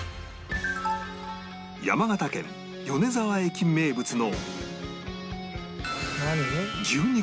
山形県米沢駅名物の